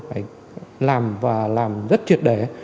phải làm và làm rất triệt để